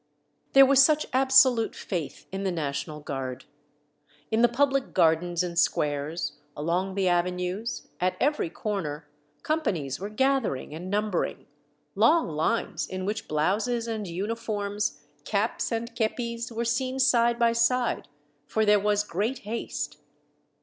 There was such absolute faith in the national guard. In the public gardens and squares, along the avenues, at every corner, companies were gather ing and numbering, — long lines in which blouses and uniforms, caps and kepis, were seen side by side, for there was great haste.